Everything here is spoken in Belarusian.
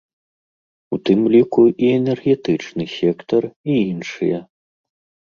У тым ліку і энергетычны сектар, і іншыя.